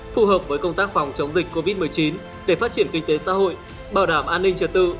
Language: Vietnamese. phù hợp với công tác phòng chống dịch covid một mươi chín để phát triển kinh tế xã hội bảo đảm an ninh trật tự